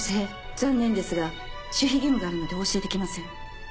残念ですが守秘義務があるのでお教えできません。